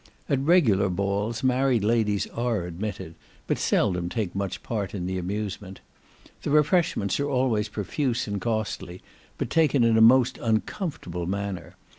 At regular balls, married ladies are admitted, but seldom take much part in the amusement. The refreshments are always profuse and costly, but taken in a most uncomfortable manner.